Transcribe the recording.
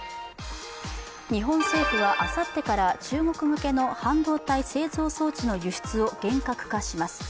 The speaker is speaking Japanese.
日本政府はあさってから中国向けの半導体製造装置の輸出を厳格化します。